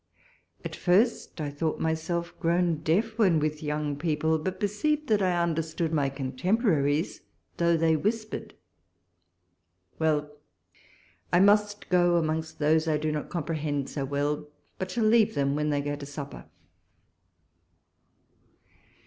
At first I thought myself grown deaf when with young people ; but perceived that I understood my contemporaries, though they whispered. Well ! I must go amongst those I do not comprehend so well, but shall leave them when they go to supper.